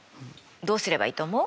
どうすればいいと思う？